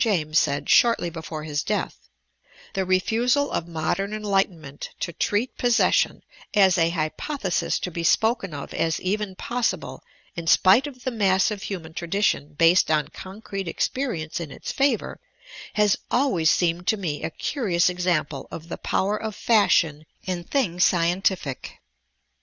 James said shortly before his death :'' The refusal of modern enlightenment to treat possession as a hypothesis to be spoken of as even possible, in spite of the massive human tradition based on concrete experience in its favour, has always seemed to me a curious example of the power of fashion in things scientific.